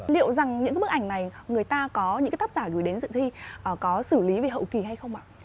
liệu rằng những cái bức ảnh này người ta có những cái tác giả gửi đến dự thi có xử lý về hậu kỳ hay không ạ